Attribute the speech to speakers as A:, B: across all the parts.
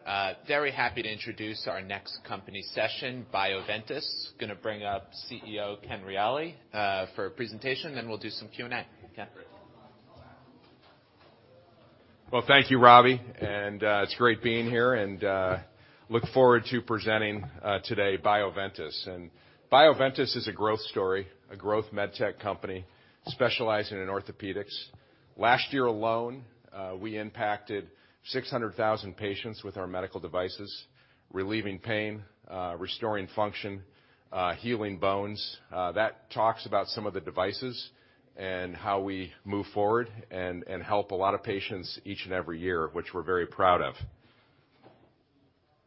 A: Good afternoon, everyone. My name is Robbie Marcus. I'm with Jefferies. Very happy to introduce our next company session, Bioventus. Gonna bring up CEO Ken Reali for a presentation, then we'll do some Q&A. Ken?
B: Well, thank you, Robbie. It's great being here, look forward to presenting today Bioventus. Bioventus is a growth story, a growth med tech company specializing in orthopedics. Last year alone, we impacted 600,000 patients with our medical devices, relieving pain, restoring function, healing bones. That talks about some of the devices and how we move forward and help a lot of patients each and every year, which we're very proud of.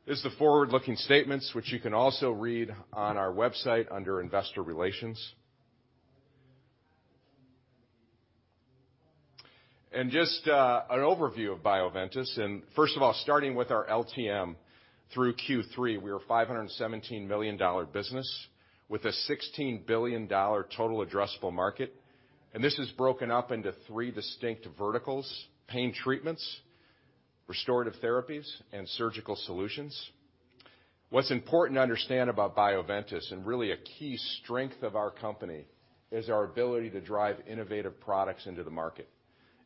B: This is the forward-looking statements, which you can also read on our website under Investor Relations. Just an overview of Bioventus. First of all, starting with our LTM through Q3, we are a $517 million business with a $16 billion total addressable market. This is broken up into three distinct verticals: pain treatments, restorative therapies, and surgical solutions. What's important to understand about Bioventus, and really a key strength of our company, is our ability to drive innovative products into the market.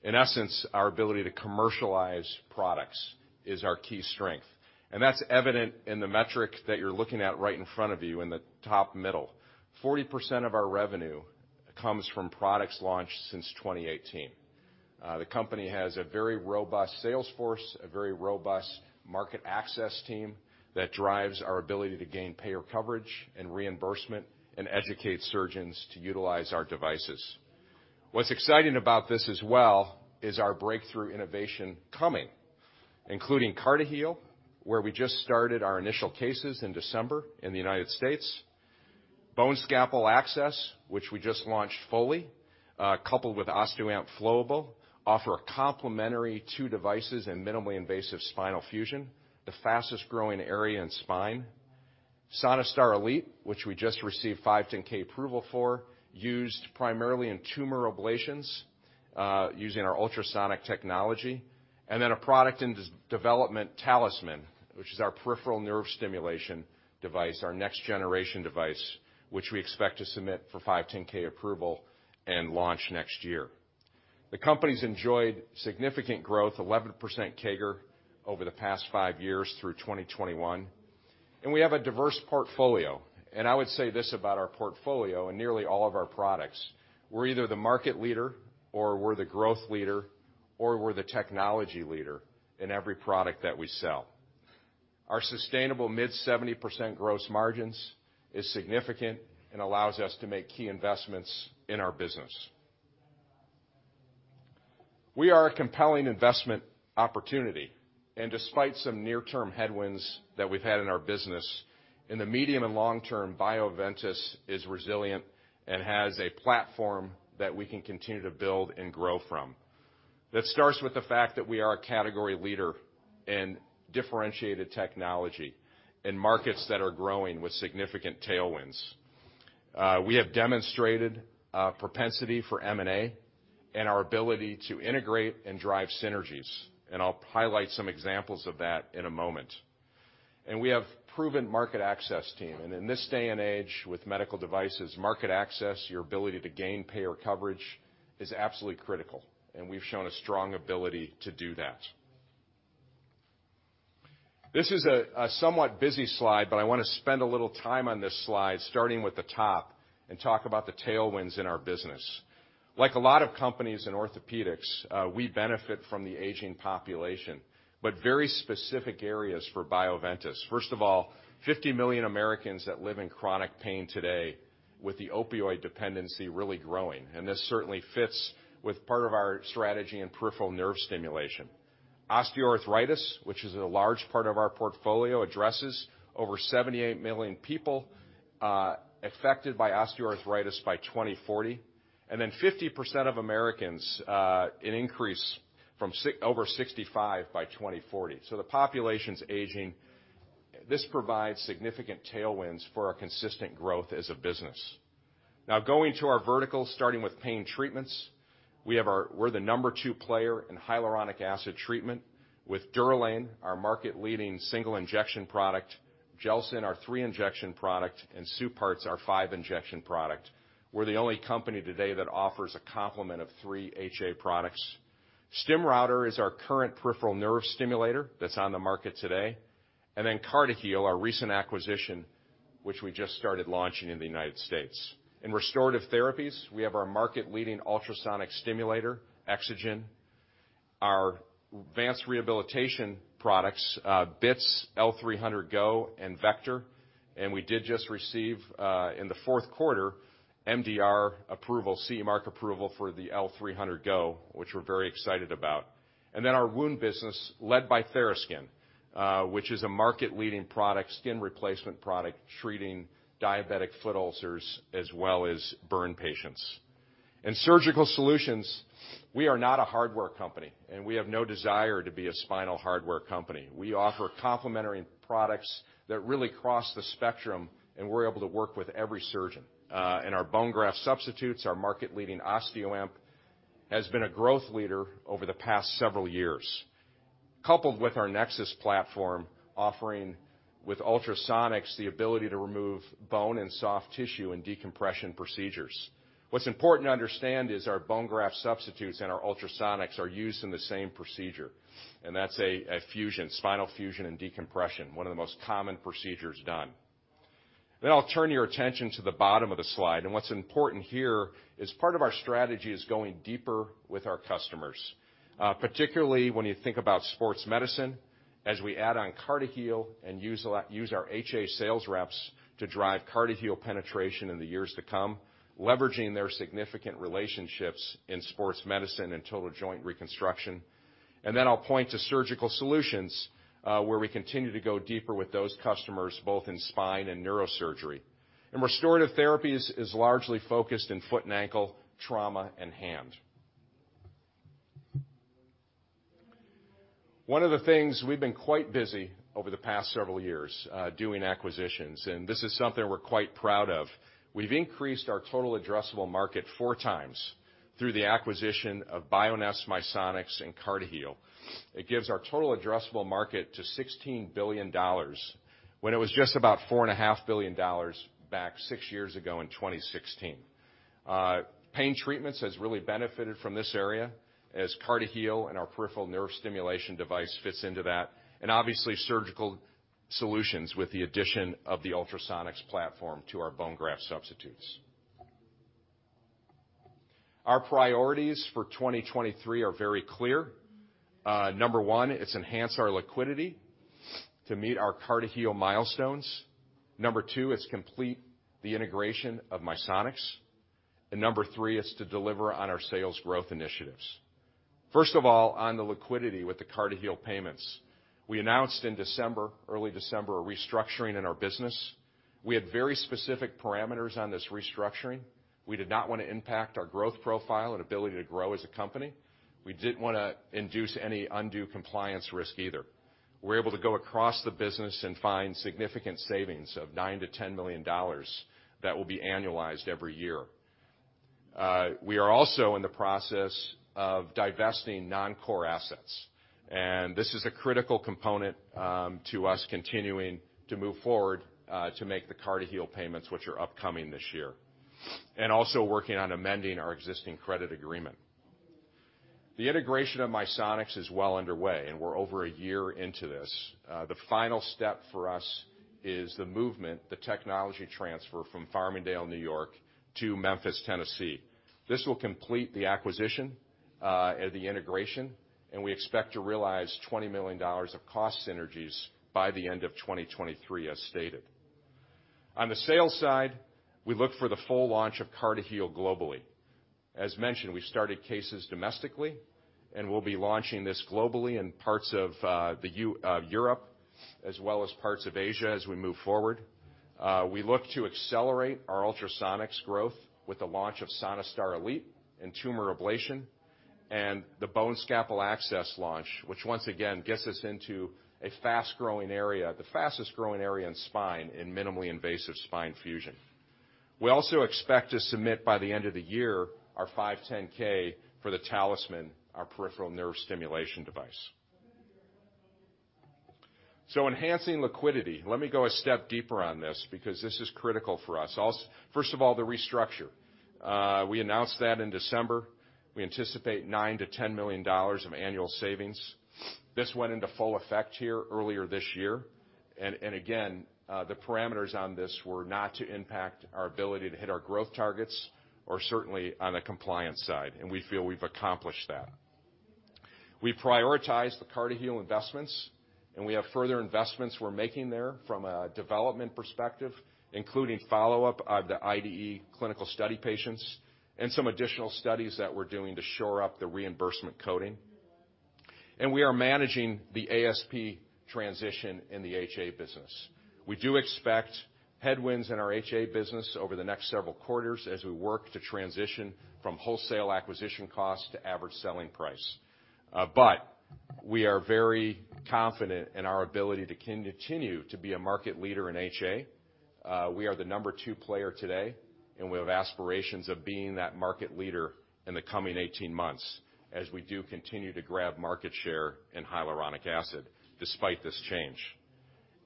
B: In essence, our ability to commercialize products is our key strength, and that's evident in the metric that you're looking at right in front of you in the top middle. 40% of our revenue comes from products launched since 2018. The company has a very robust sales force, a very robust market access team that drives our ability to gain payer coverage and reimbursement and educate surgeons to utilize our devices. What's exciting about this as well is our breakthrough innovation coming, including CartiHeal, where we just started our initial cases in December in the United States. BoneScalpel Access, which we just launched fully, coupled with OSTEOAMP Flowable, offer a complementary two devices and minimally invasive spinal fusion, the fastest-growing area in spine. SonaStar Elite, which we just received 510 approval for, used primarily in tumor ablations, using our ultrasonic technology. Then a product in development, TalisMann, which is our peripheral nerve stimulation device, our next generation device, which we expect to submit for 510(k) approval and launch next year. The company's enjoyed significant growth, 11% CAGR over the past five years through 2021, and we have a diverse portfolio. I would say this about our portfolio and nearly all of our products, we're either the market leader or we're the growth leader, or we're the technology leader in every product that we sell. Our sustainable mid-70% gross margins is significant and allows us to make key investments in our business. We are a compelling investment opportunity, despite some near-term headwinds that we've had in our business, in the medium and long term, Bioventus is resilient and has a platform that we can continue to build and grow from. That starts with the fact that we are a category leader in differentiated technology in markets that are growing with significant tailwinds. We have demonstrated a propensity for M&A and our ability to integrate and drive synergies, I'll highlight some examples of that in a moment. We have proven market access team. In this day and age with medical devices, market access, your ability to gain payer coverage is absolutely critical, and we've shown a strong ability to do that. This is a somewhat busy slide, but I wanna spend a little time on this slide, starting with the top, and talk about the tailwinds in our business. Like a lot of companies in orthopedics, we benefit from the aging population, but very specific areas for Bioventus. First of all, 50 million Americans that live in chronic pain today with the opioid dependency really growing, and this certainly fits with part of our strategy in peripheral nerve stimulation. Osteoarthritis, which is a large part of our portfolio addresses over 78 million people affected by osteoarthritis by 2040, and then 50% of Americans, an increase from over 65 by 2040. The population's aging. This provides significant tailwinds for our consistent growth as a business. Now going to our verticals, starting with pain treatments, we have we're the number two player in hyaluronic acid treatment with DUROLANE, our market-leading single injection product, GELSYN, our three-injection product, and SUPARTZ FX, our five-injection product. We're the only company today that offers a complement of three HA products. StimRouter is our current peripheral nerve stimulator that's on the market today. CartiHeal, our recent acquisition, which we just started launching in the United States. In restorative therapies, we have our market-leading ultrasonic stimulator, EXOGEN, our advanced rehabilitation products, BITS, L300 Go, and Vector. We did just receive, in the fourth quarter, MDR approval, CE mark approval for the L300 Go, which we're very excited about. Our wound business led by TheraSkin, which is a market-leading product, skin replacement product, treating diabetic foot ulcers as well as burn patients. In Surgical Solutions, we are not a hardware company, and we have no desire to be a spinal hardware company. We offer complementary products that really cross the spectrum, and we're able to work with every surgeon. In our bone graft substitutes, our market-leading OSTEOAMP has been a growth leader over the past several years. Coupled with our neXus platform offering with ultrasonics, the ability to remove bone and soft tissue in decompression procedures. What's important to understand is our bone graft substitutes and our ultrasonics are used in the same procedure, and that's a fusion, spinal fusion and decompression, one of the most common procedures done. I'll turn your attention to the bottom of the slide, and what's important here is part of our strategy is going deeper with our customers, particularly when you think about sports medicine as we add on CartiHeal and use our HA sales reps to drive CartiHeal penetration in the years to come, leveraging their significant relationships in sports medicine and total joint reconstruction. I'll point to Surgical Solutions, where we continue to go deeper with those customers, both in spine and neurosurgery. In Restorative Therapies is largely focused in foot and ankle, trauma, and hand. One of the things we've been quite busy over the past several years doing acquisitions, and this is something we're quite proud of. We've increased our total addressable market 4 times through the acquisition of Bioness, Misonix, and CartiHeal. It gives our total addressable market to $16 billion when it was just about four and a half billion dollars back six years ago in 2016. Pain treatments has really benefited from this area as CartiHeal and our peripheral nerve stimulation device fits into that, and obviously, Surgical solutions with the addition of the ultrasonics platform to our bone graft substitutes. Our priorities for 2023 are very clear. Number one, it's enhance our liquidity to meet our CartiHeal milestones. Number two is complete the integration of Misonix. Number three is to deliver on our sales growth initiatives. First of all, on the liquidity with the CartiHeal payments, we announced in December, early December, a restructuring in our business. We had very specific parameters on this restructuring. We did not wanna impact our growth profile and ability to grow as a company. We didn't wanna induce any undue compliance risk either. We're able to go across the business and find significant savings of $9 million-$10 million that will be annualized every year. We are also in the process of divesting non-core assets, and this is a critical component to us continuing to move forward to make the CartiHeal payments, which are upcoming this year, and also working on amending our existing credit agreement. The integration of Misonix is well underway, and we're over a year into this. The final step for us is the movement, the technology transfer from Farmingdale, New York to Memphis, Tennessee. This will complete the acquisition, the integration, and we expect to realize $20 million of cost synergies by the end of 2023, as stated. On the sales side, we look for the full launch of CartiHeal globally. As mentioned, we started cases domestically, and we'll be launching this globally in parts of Europe as well as parts of Asia as we move forward. We look to accelerate our ultrasonics growth with the launch of SonaStar Elite and tumor ablation and the BoneScalpel Access launch, which once again gets us into a fast-growing area, the fastest-growing area in spine in minimally invasive spine fusion. We also expect to submit by the end of the year our 510(k) for the TalisMann, our peripheral nerve stimulation device. Enhancing liquidity. Let me go a step deeper on this because this is critical for us. First of all, the restructure. We announced that in December. We anticipate $9 million-$10 million of annual savings. This went into full effect here earlier this year. Again, the parameters on this were not to impact our ability to hit our growth targets or certainly on the compliance side, and we feel we've accomplished that. We prioritize the CartiHeal investments, and we have further investments we're making there from a development perspective, including follow-up of the IDE clinical study patients and some additional studies that we're doing to shore up the reimbursement coding. We are managing the ASP transition in the HA business. We do expect headwinds in our HA business over the next several quarters as we work to transition from wholesale acquisition cost to average selling price. We are very confident in our ability to continue to be a market leader in HA. We are the number two player today. We have aspirations of being that market leader in the coming 18 months as we do continue to grab market share in hyaluronic acid despite this change.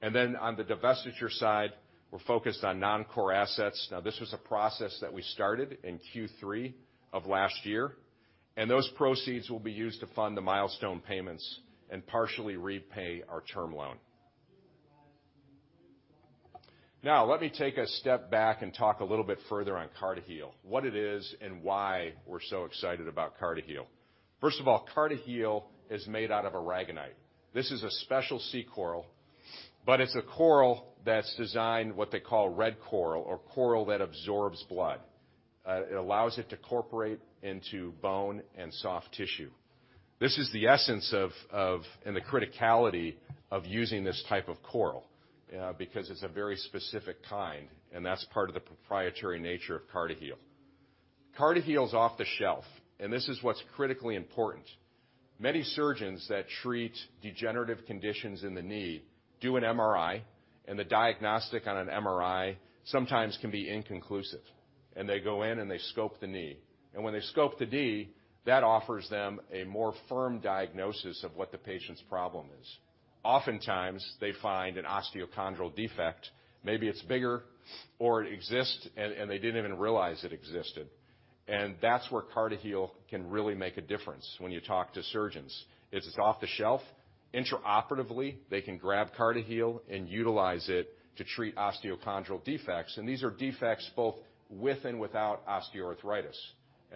B: On the divestiture side, we're focused on non-core assets. This was a process that we started in Q3 of last year, and those proceeds will be used to fund the milestone payments and partially repay our term loan. Let me take a step back and talk a little bit further on CartiHeal, what it is and why we're so excited about CartiHeal. First of all, CartiHeal is made out of aragonite. This is a special sea coral, but it's a coral that's designed what they call red coral or coral that absorbs blood. It allows it to cooperate into bone and soft tissue. This is the essence of, and the criticality of using this type of coral, because it's a very specific kind, and that's part of the proprietary nature of CartiHeal. CartiHeal is off the shelf, and this is what's critically important. Many surgeons that treat degenerative conditions in the knee do an MRI, and the diagnostic on an MRI sometimes can be inconclusive, and they go in and they scope the knee. When they scope the knee, that offers them a more firm diagnosis of what the patient's problem is. Oftentimes, they find an osteochondral defect. Maybe it's bigger or it exists, and they didn't even realize it existed. That's where CartiHeal can really make a difference when you talk to surgeons, is it's off the shelf. Intraoperatively, they can grab CartiHeal and utilize it to treat osteochondral defects. These are defects both with and without osteoarthritis.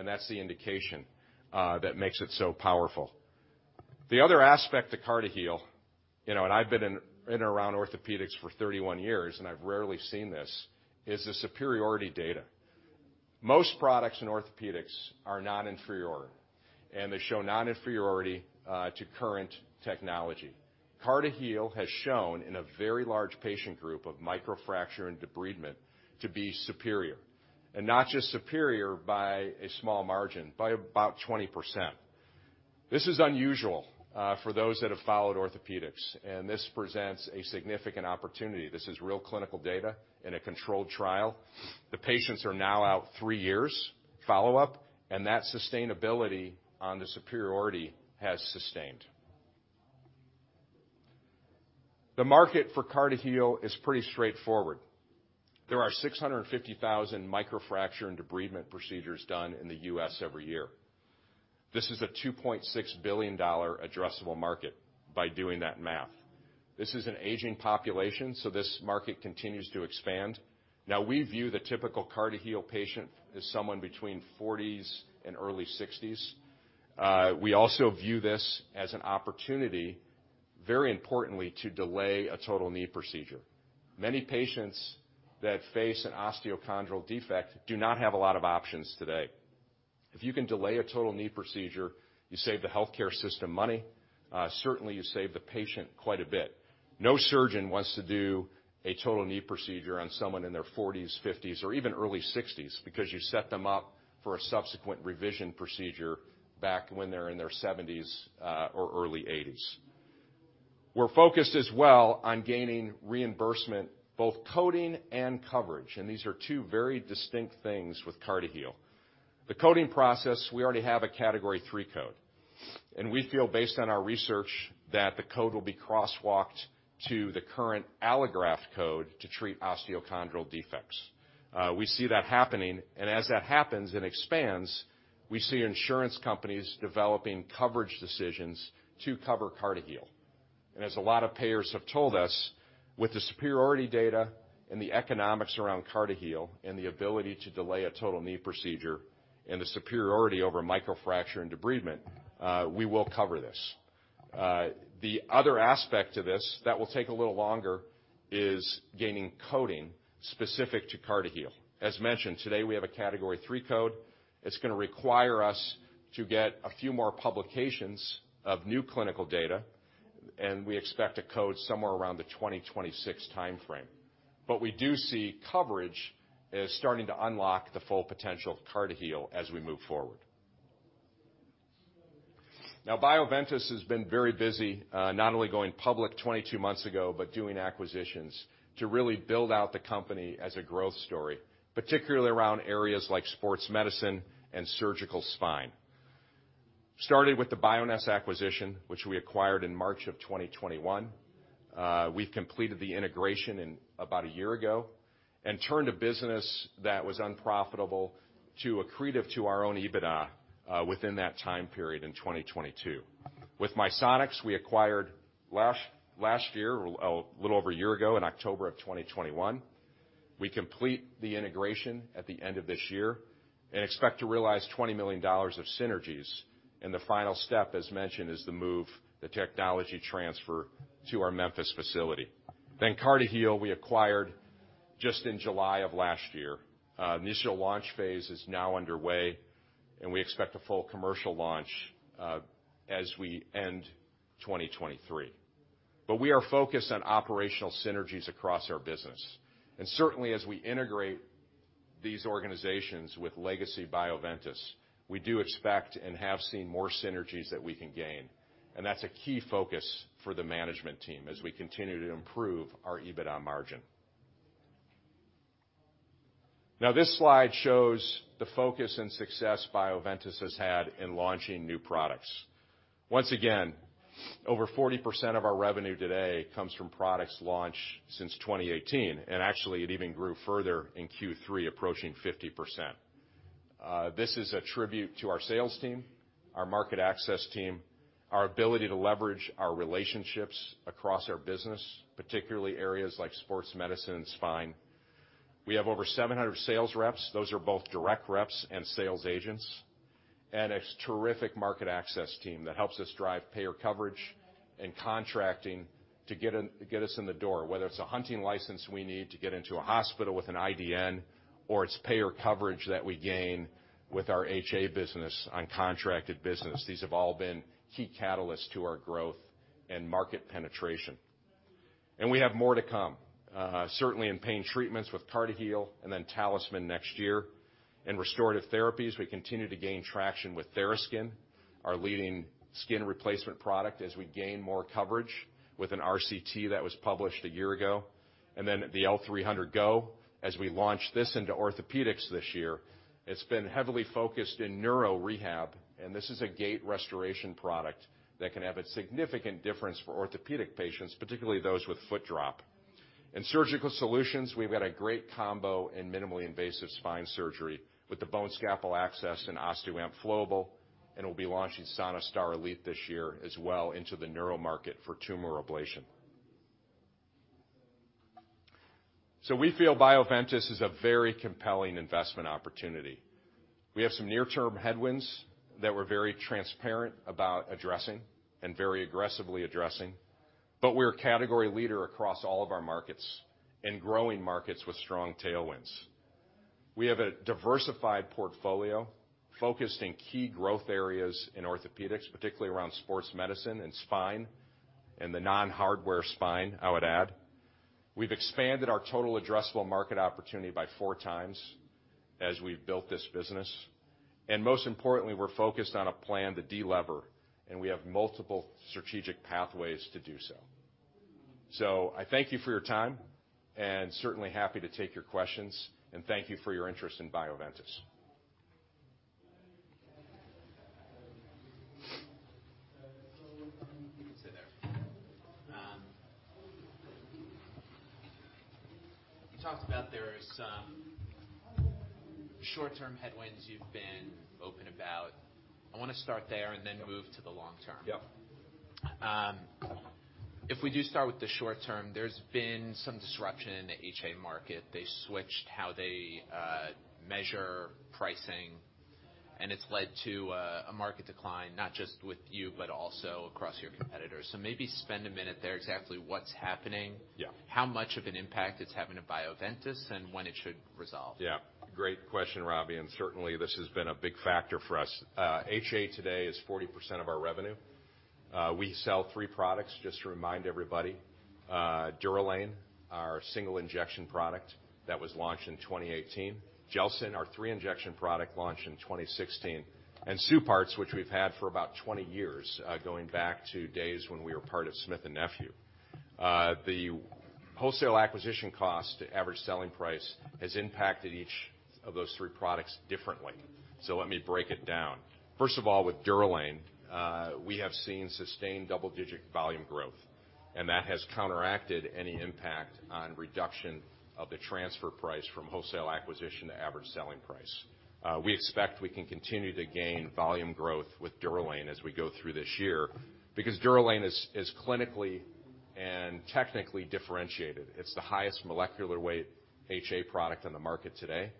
B: That's the indication that makes it so powerful. The other aspect to CartiHeal, you know, and I've been in around orthopedics for 31 years, and I've rarely seen this, is the superiority data. Most products in orthopedics are non-inferior, and they show non-inferiority to current technology. CartiHeal has shown in a very large patient group of microfracture and debridement to be superior, and not just superior by a small margin, by about 20%. This is unusual for those that have followed orthopedics, and this presents a significant opportunity. This is real clinical data in a controlled trial. The patients are now out three years follow-up, and that sustainability on the superiority has sustained. The market for CartiHeal is pretty straightforward. There are 650,000 microfracture and debridement procedures done in the U.S. every year. This is a $2.6 billion addressable market by doing that math. This is an aging population, so this market continues to expand. Now we view the typical CartiHeal patient as someone between 40s and early 60s. We also view this as an opportunity, very importantly, to delay a total knee procedure. Many patients that face an osteochondral defect do not have a lot of options today. If you can delay a total knee procedure, you save the healthcare system money, certainly you save the patient quite a bit. No surgeon wants to do a total knee procedure on someone in their 40s, 50s, or even early 60s because you set them up for a subsequent revision procedure back when they're in their 70s or early 80s. We're focused as well on gaining reimbursement, both coding and coverage. These are two very distinct things with CartiHeal. The coding process, we already have a Category III code. We feel, based on our research, that the code will be crosswalked to the current allograft code to treat osteochondral defects. We see that happening, and as that happens and expands, we see insurance companies developing coverage decisions to cover CartiHeal. As a lot of payers have told us, with the superiority data and the economics around CartiHeal and the ability to delay a total knee procedure and the superiority over microfracture and debridement, we will cover this. The other aspect to this that will take a little longer is gaining coding specific to CartiHeal. As mentioned today, we have a Category III code. It's going to require us to get a few more publications of new clinical data. We expect a code somewhere around the 2026 timeframe. We do see coverage as starting to unlock the full potential of CartiHeal as we move forward. Now Bioventus has been very busy, not only going public 22 months ago, but doing acquisitions to really build out the company as a growth story, particularly around areas like sports medicine and surgical spine. Started with the Bioness acquisition, which we acquired in March of 2021. We completed the integration in about a year ago and turned a business that was unprofitable to accretive to our own EBITDA within that time period in 2022. With Misonix, we acquired last year, a little over a year ago, in October of 2021. We complete the integration at the end of this year and expect to realize $20 million of synergies. The final step, as mentioned, is the move, the technology transfer to our Memphis facility. CartiHeal we acquired just in July of last year. Initial launch phase is now underway, and we expect a full commercial launch as we end 2023. We are focused on operational synergies across our business. Certainly, as we integrate these organizations with legacy Bioventus, we do expect and have seen more synergies that we can gain. That's a key focus for the management team as we continue to improve our EBITDA margin. This slide shows the focus and success Bioventus has had in launching new products. Once again, over 40% of our revenue today comes from products launched since 2018, and actually it even grew further in Q3, approaching 50%. This is a tribute to our sales team, our market access team, our ability to leverage our relationships across our business, particularly areas like sports medicine and spine. We have over 700 sales reps. Those are both direct reps and sales agents, and a terrific market access team that helps us drive payer coverage. And contracting to get us in the door, whether it's a hunting license we need to get into a hospital with an IDN or it's payer coverage that we gain with our HA business on contracted business. These have all been key catalysts to our growth and market penetration. We have more to come, certainly in pain treatments with CartiHeal and TalisMann next year. In restorative therapies, we continue to gain traction with TheraSkin, our leading skin replacement product, as we gain more coverage with an RCT that was published a year ago. The L300 Go as we launch this into orthopedics this year, it's been heavily focused in neuro rehab, and this is a gait restoration product that can have a significant difference for orthopedic patients, particularly those with foot drop. In surgical solutions, we've got a great combo in minimally invasive spine surgery with the BoneScalpel Access and OSTEOAMP Flowable, and we'll be launching SonaStar Elite this year as well into the neuro market for tumor ablation. We feel Bioventus is a very compelling investment opportunity. We have some near-term headwinds that we're very transparent about addressing and very aggressively addressing, but we're a category leader across all of our markets and growing markets with strong tailwinds. We have a diversified portfolio focused in key growth areas in orthopedics, particularly around sports medicine and spine, and the non-hardware spine, I would add. We've expanded our total addressable market opportunity by 4 times as we've built this business. Most importantly, we're focused on a plan to delever, and we have multiple strategic pathways to do so. I thank you for your time, and certainly happy to take your questions. Thank you for your interest in Bioventus.
A: You can sit there. You talked about there are some short-term headwinds you've been open about. I wanna start there and then move to the long term.
B: Yep.
A: If we do start with the short term, there's been some disruption in the HA market. They switched how they measure pricing, and it's led to a market decline, not just with you, but also across your competitors. Maybe spend a minute there, exactly what's happening?
B: Yeah.
A: How much of an impact it's having at Bioventus, and when it should resolve.
B: Great question, Robbie, certainly, this has been a big factor for us. HA today is 40% of our revenue. We sell three products, just to remind everybody. DUROLANE, our single-injection product that was launched in 2018. GELSYN, our three-injection product launched in 2016. SUPARTZ, which we've had for about 20 years, going back to days when we were part of Smith & Nephew. The wholesale acquisition cost to average selling price has impacted each of those three products differently. Let me break it down. First of all, with DUROLANE, we have seen sustained double-digit volume growth, and that has counteracted any impact on reduction of the transfer price from Wholesale Acquisition to average selling price. We expect we can continue to gain volume growth with DUROLANE as we go through this year because DUROLANE is clinically and technically differentiated. It's the highest molecular weight HA product on the market today.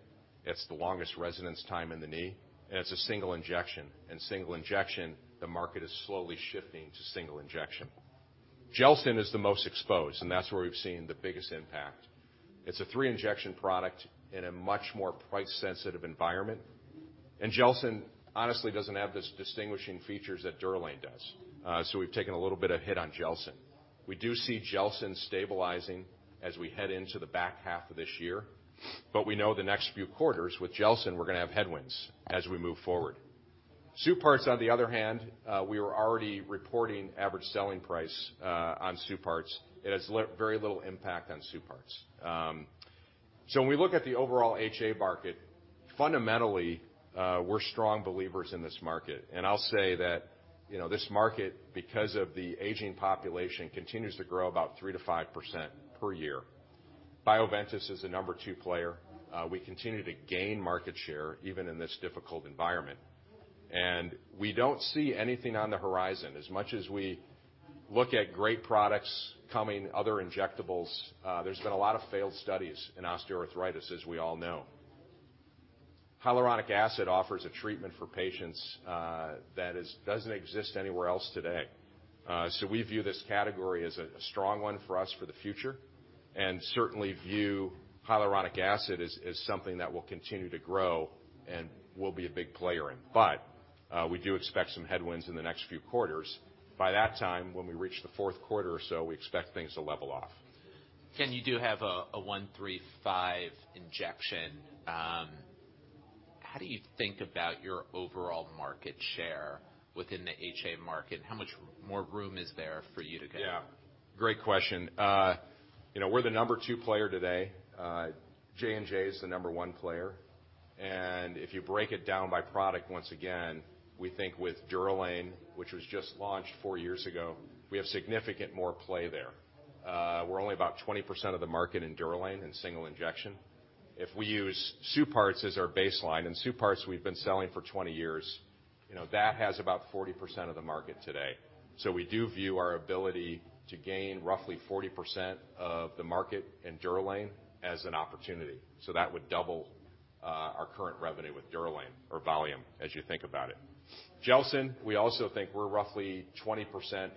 B: It's the longest residence time in the knee, and it's a single injection. Single injection, the market is slowly shifting to single injection. GELSYN is the most exposed, and that's where we've seen the biggest impact. It's a three-injection product in a much more price-sensitive environment. GELSYN, honestly, doesn't have the distinguishing features that DUROLANE does. We've taken a little bit of hit on GELSYN. We do see GELSYN stabilizing as we head into the back half of this year, but we know the next few quarters with GELSYN, we're gonna have headwinds as we move forward. SUPARTZ, on the other hand, we were already reporting average selling price on SUPARTZ. It has very little impact on SUPARTZ. When we look at the overall HA market, fundamentally, we're strong believers in this market. I'll say that, you know, this market, because of the aging population, continues to grow about 3%-5% per year. Bioventus is the number two player. We continue to gain market share even in this difficult environment. We don't see anything on the horizon. As much as we look at great products coming, other injectables, there's been a lot of failed studies in osteoarthritis, as we all know. Hyaluronic acid offers a treatment for patients that doesn't exist anywhere else today. We view this category as a strong one for us for the future, and certainly view hyaluronic acid as something that will continue to grow and we'll be a big player in. We do expect some headwinds in the next few quarters. By that time, when we reach the fourth quarter or so, we expect things to level off.
A: Ken, you do have a one, three, five injection. How do you think about your overall market share within the HA market? How much more room is there for you to go?
B: Yeah. Great question. You know, we're the number two player today. J&J is the number one player. If you break it down by product, once again, we think with DUROLANE, which was just launched four years ago, we have significant more play there. We're only about 20% of the market in DUROLANE in single injection. If we use SUPARTZ as our baseline, and SUPARTZ we've been selling for 20 years, you know, that has about 40% of the market today. We do view our ability to gain roughly 40% of the market in DUROLANE as an opportunity. That would double our current revenue with DUROLANE or volume as you think about it. GELSYN, we also think we're roughly 20%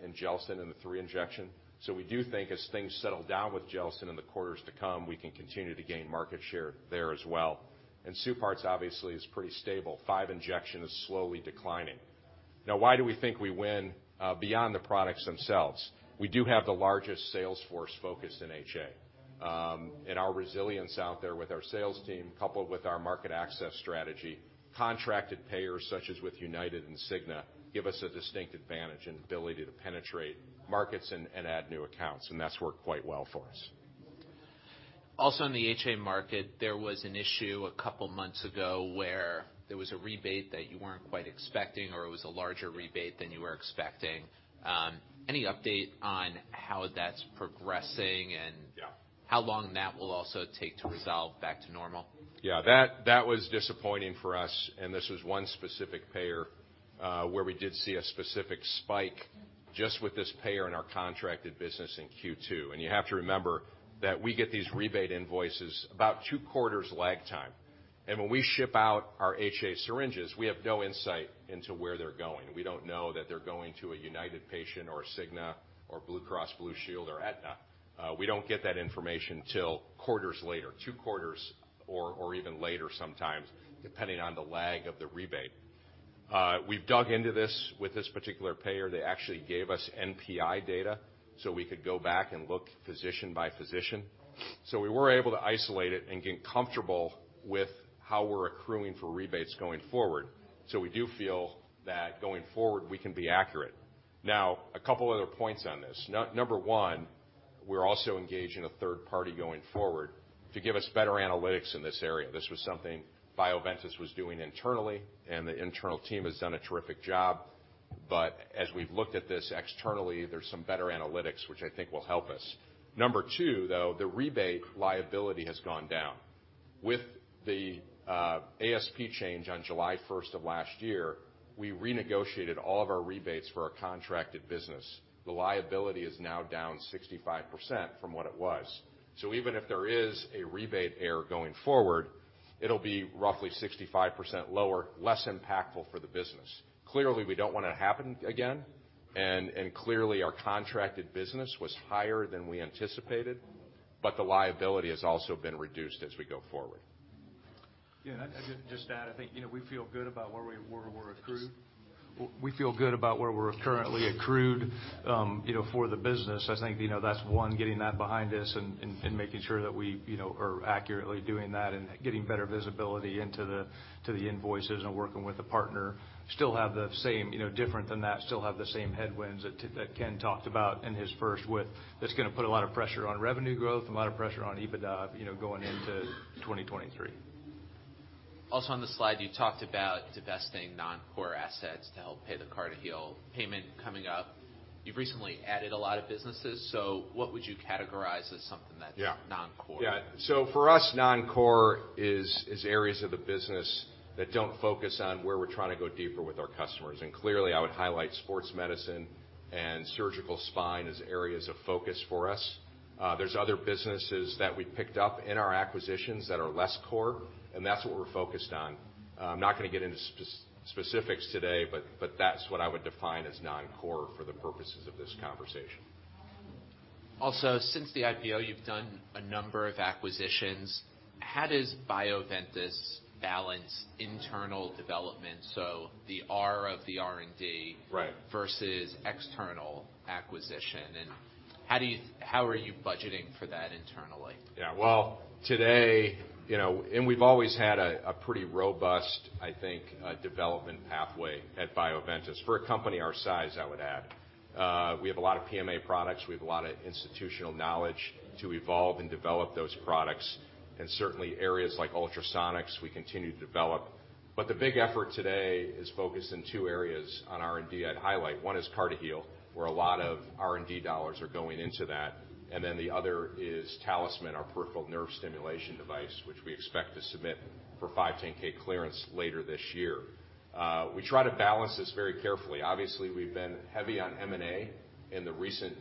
B: in GELSYN in the three-injection. We do think as things settle down with GELSYN in the quarters to come, we can continue to gain market share there as well. SUPARTZ FX obviously is pretty stable. Five-injection is slowly declining. Why do we think we win beyond the products themselves? We do have the largest sales force focus in HA. Our resilience out there with our sales team, coupled with our market access strategy, contracted payers such as with UnitedHealth Group and Cigna, give us a distinct advantage and ability to penetrate markets and add new accounts, and that's worked quite well for us.
A: Also in the HA market, there was an issue a couple months ago where there was a rebate that you weren't quite expecting or it was a larger rebate than you were expecting. Any update on how that's progressing?
B: Yeah.
A: How long that will also take to resolve back to normal?
B: Yeah, that was disappointing for us, this was one specific payer where we did see a specific spike just with this payer in our contracted business in Q2. You have to remember that we get these rebate invoices about two quarters lag time. When we ship out our HA syringes, we have no insight into where they're going. We don't know that they're going to a United patient or a Cigna or Blue Cross Blue Shield or Aetna. We don't get that information till quarters later, two quarters or even later sometimes, depending on the lag of the rebate. We've dug into this with this particular payer. They actually gave us NPI data, we could go back and look physician by physician. We were able to isolate it and get comfortable with how we're accruing for rebates going forward. We do feel that going forward, we can be accurate. A couple other points on this. Number one, we're also engaged in a third party going forward to give us better analytics in this area. This was something Bioventus was doing internally, and the internal team has done a terrific job. As we've looked at this externally, there's some better analytics, which I think will help us. Number two, though, the rebate liability has gone down. With the ASP change on July 1st of last year, we renegotiated all of our rebates for our contracted business. The liability is now down 65% from what it was. Even if there is a rebate error going forward, it'll be roughly 65% lower, less impactful for the business. Clearly, we don't want it to happen again, and clearly, our contracted business was higher than we anticipated, but the liability has also been reduced as we go forward.
C: I just add, I think, you know, we feel good about where we're accrued. We feel good about where we're currently accrued, you know, for the business. I think, you know, that's one, getting that behind us and making sure that we, you know, are accurately doing that and getting better visibility into the invoices and working with the partner. Still have the same, you know, different than that, still have the same headwinds that Ken talked about in his first with. That's gonna put a lot of pressure on revenue growth, a lot of pressure on EBITDA, you know, going into 2023.
A: Also on the slide, you talked about divesting non-core assets to help pay the CartiHeal payment coming up. What would you categorize as something that's non-core?
B: Yeah. For us, non-core is areas of the business that don't focus on where we're trying to go deeper with our customers. Clearly, I would highlight sports medicine and surgical spine as areas of focus for us. There's other businesses that we picked up in our acquisitions that are less core, and that's what we're focused on. I'm not gonna get into specifics today, but that's what I would define as non-core for the purposes of this conversation.
A: Since the IPO, you've done a number of acquisitions. How does Bioventus balance internal development, so the R of the R&D versus external acquisition, and how are you budgeting for that internally?
B: Yeah. Well, today, you know, we've always had a pretty robust, I think, development pathway at Bioventus for a company our size, I would add. We have a lot of PMA products. We have a lot of institutional knowledge to evolve and develop those products. Certainly, areas like ultrasonics, we continue to develop. The big effort today is focused in two areas on R&D I'd highlight. One is CartiHeal, where a lot of R&D dollars are going into that. The other is TalisMann, our peripheral nerve stimulation device, which we expect to submit for 510(k) clearance later this year. We try to balance this very carefully. Obviously, we've been heavy on M&A in the recent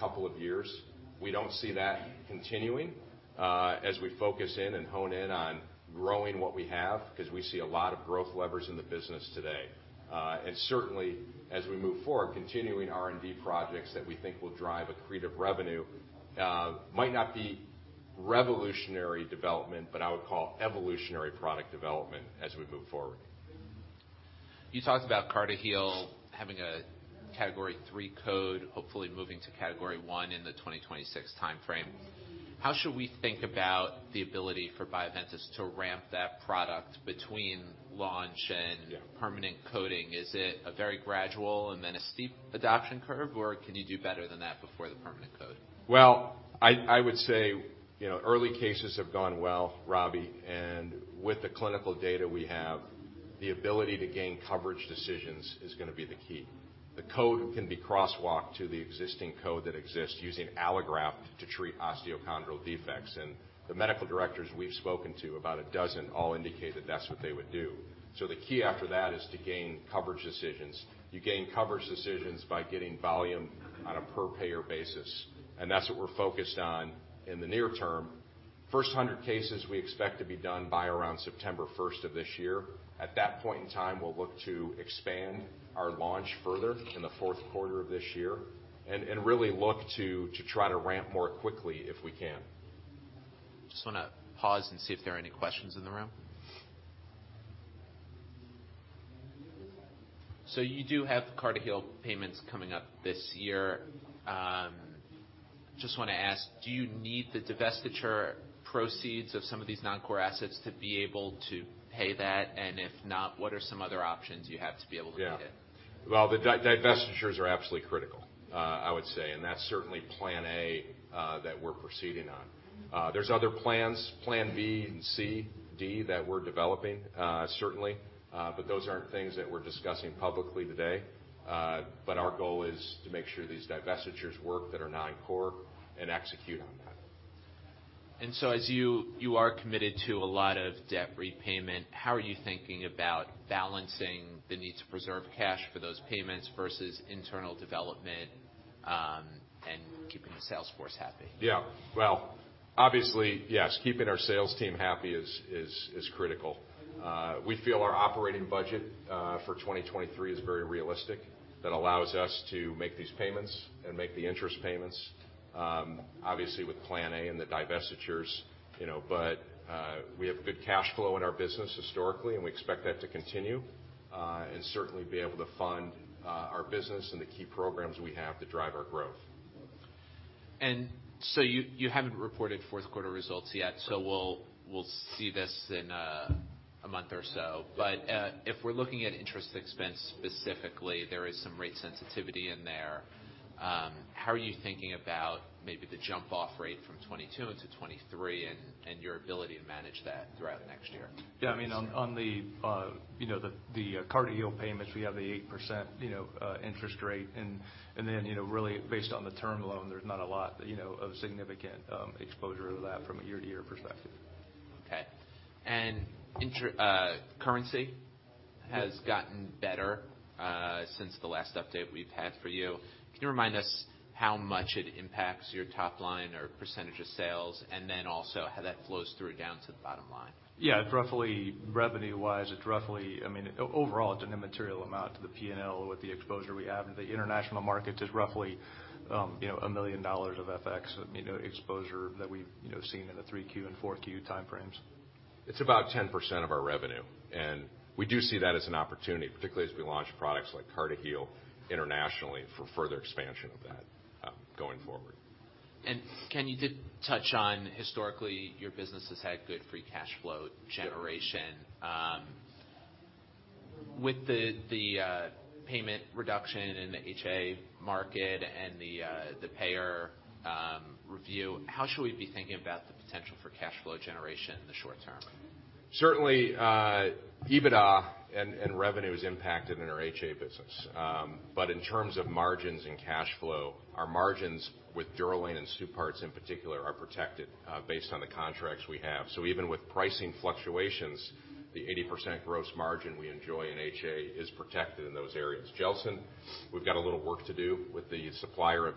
B: couple of years. We don't see that continuing, as we focus in and hone in on growing what we have, 'cause we see a lot of growth levers in the business today. Certainly, as we move forward, continuing R&D projects that we think will drive accretive revenue, might not be revolutionary development, but I would call evolutionary product development as we move forward.
A: You talked about CartiHeal having a Category III code, hopefully moving to category one in the 2026 timeframe. How should we think about the ability for Bioventus to ramp that product between launch and permanent coding? Is it a very gradual and then a steep adoption curve, or can you do better than that before the permanent code?
B: Well, I would say, you know, early cases have gone well, Robbie. With the clinical data we have, the ability to gain coverage decisions is gonna be the key. The code can be crosswalked to the existing code that exists using allograft to treat osteochondral defects. The medical directors we've spoken to, about 12, all indicate that that's what they would do. The key after that is to gain coverage decisions. You gain coverage decisions by getting volume on a per payer basis, and that's what we're focused on in the near term. First 100 cases we expect to be done by around September 1st of this year. At that point in time, we'll look to expand our launch further in the fourth quarter of this year and really look to try to ramp more quickly if we can.
A: Just wanna pause and see if there are any questions in the room. You do have the CartiHeal payments coming up this year. Just wanna ask, do you need the divestiture proceeds of some of these non-core assets to be able to pay that? If not, what are some other options you have to be able to pay it?
B: Well, the divestitures are absolutely critical, I would say, and that's certainly plan A that we're proceeding on. There's other plans, plan B and C, D that we're developing, certainly. Those aren't things that we're discussing publicly today. Our goal is to make sure these divestitures work that are non-core and execute on that.
A: As you are committed to a lot of debt repayment, how are you thinking about balancing the need to preserve cash for those payments versus internal development, and keeping the sales force happy?
B: Yeah. Well, obviously, yes, keeping our sales team happy is critical. We feel our operating budget for 2023 is very realistic. That allows us to make these payments and make the interest payments, obviously with plan A and the divestitures, you know. We have a good cash flow in our business historically, and we expect that to continue, and certainly be able to fund our business and the key programs we have to drive our growth.
A: You haven't reported fourth quarter results yet, so we'll see this in a month or so. If we're looking at interest expense specifically, there is some rate sensitivity in there. How are you thinking about maybe the jump-off rate from 22 into 23 and your ability to manage that throughout next year?
C: Yeah, I mean, on the, you know, CartiHeal payments, we have the 8%, you know, interest rate. Then, you know, really based on the term loan, there's not a lot, you know, of significant exposure to that from a year-to-year perspective.
A: Okay. Currency has gotten better, since the last update we've had for you. Can you remind us how much it impacts your top line or percentage of sales, and then also how that flows through down to the bottom line?
C: Yeah, roughly revenue-wise, it's roughly, I mean, overall, it's an immaterial amount to the P&L with the exposure we have. The international market is roughly, you know, a million dollars of FX, you know, exposure that we've, you know, seen in the Q3 and Q4 timeframes.
B: It's about 10% of our revenue. We do see that as an opportunity, particularly as we launch products like CartiHeal internationally for further expansion of that going forward.
A: Ken, you did touch on historically your business has had good free cash flow generation. With the payment reduction in the HA market and the payer review, how should we be thinking about the potential for cash flow generation in the short term?
B: Certainly, EBITDA and revenue is impacted in our HA business. In terms of margins and cash flow, our margins with DUROLANE and SUPARTZ FX in particular are protected, based on the contracts we have. Even with pricing fluctuations, the 80% gross margin we enjoy in HA is protected in those areas. GELSYN, we've got a little work to do with the supplier of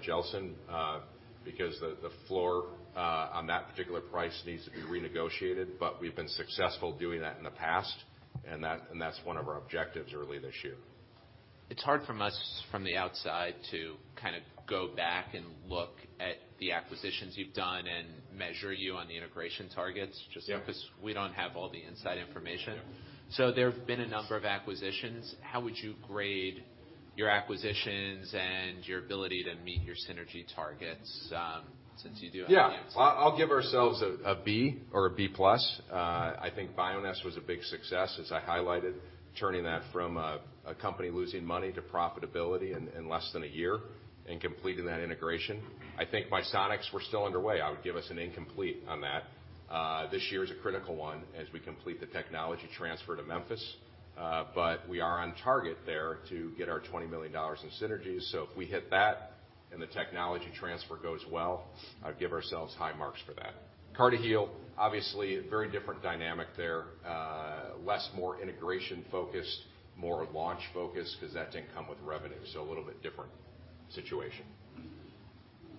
B: GELSYN, because the floor on that particular price needs to be renegotiated. We've been successful doing that in the past, and that's one of our objectives early this year.
A: It's hard for us from the outside to kind of go back and look at the acquisitions you've done and measure you on the integration targets.
B: Yeah.
A: Because we don't have all the inside information.
B: Yeah.
A: There have been a number of acquisitions. How would you grade your acquisitions and your ability to meet your synergy targets, since you do have the answer?
B: I'll give ourselves a B or a B plus. I think Bioness was a big success, as I highlighted, turning that from a company losing money to profitability in less than a year and completing that integration. I think Misonix, we're still underway. I would give us an incomplete on that. This year is a critical one as we complete the technology transfer to Memphis. We are on target there to get our $20 million in synergies. If we hit that and the technology transfer goes well, I'd give ourselves high marks for that. CartiHeal, obviously a very different dynamic there. Less more integration focused, more launch focused, 'cause that's income with revenue. A little bit different situation.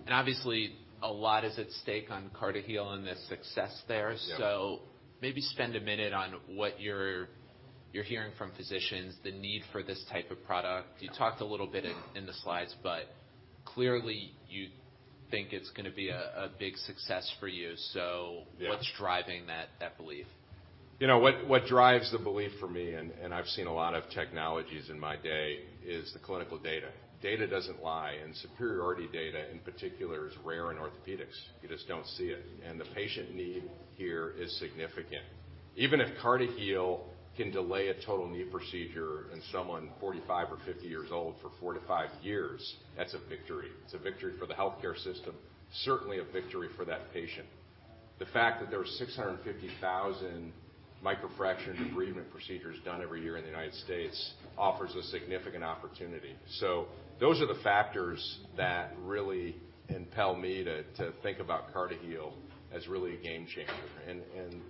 A: Obviously, a lot is at stake on CartiHeal and the success there.
B: Yeah.
A: Maybe spend a minute on what you're hearing from physicians, the need for this type of product. You talked a little bit in the slides, but clearly, you think it's gonna be a big success for you.
B: Yeah.
A: What's driving that belief?
B: You know what drives the belief for me, and I've seen a lot of technologies in my day, is the clinical data. Data doesn't lie, and superiority data, in particular, is rare in orthopedics. You just don't see it, and the patient need here is significant. Even if CartiHeal can delay a total knee procedure in someone 45 or 50 years old for four to five years, that's a victory. It's a victory for the healthcare system, certainly a victory for that patient. The fact that there are 650,000 microfracture debridement procedures done every year in the United States offers a significant opportunity. Those are the factors that really impel me to think about CartiHeal as really a game changer.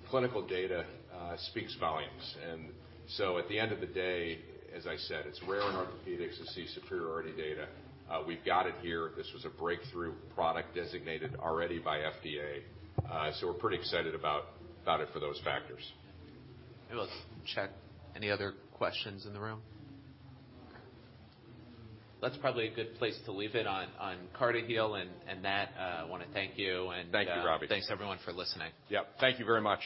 B: Clinical data speaks volumes. At the end of the day, as I said, it's rare in orthopedics to see superiority data. We've got it here. This was a breakthrough product designated already by FDA. We're pretty excited about it for those factors.
A: Maybe I'll check any other questions in the room. That's probably a good place to leave it on CartiHeal and that. I wanna thank you.
B: Thank you, Robbie.
A: Thanks everyone for listening.
B: Yep. Thank you very much.